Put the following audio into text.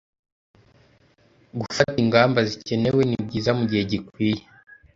gufata ingamba zikenewe nibyiza mugihe gikwiye